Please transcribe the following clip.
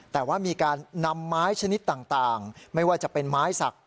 แต่ว่ามีการนำไม้ชนิดต่างไม่ว่าจะเป็นไม้สัก